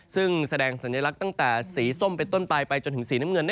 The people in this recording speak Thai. ซึ่งแสดงสัญลักษณ์ตั้งแต่สีส้มเป็นต้นปลายไปจนถึงสีน้ำเงิน